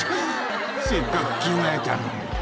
せっかく着替えたのに」